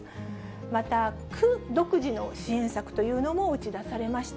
また、区独自の支援策というのも打ち出されました。